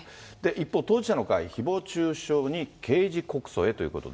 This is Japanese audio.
一方、当事者の会、ひぼう中傷に刑事告訴へということで。